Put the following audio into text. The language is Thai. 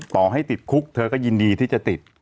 ต่อให้ติดคุกเธอก็ยินดีที่จะติด